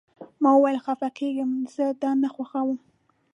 ما وویل: خفه کیږم، زه دا نه خوښوم.